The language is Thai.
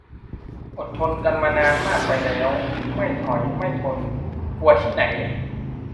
อดทนกันมานานมากไปแล้ว ไม่ถอยไม่ทน กลัวที่ไหน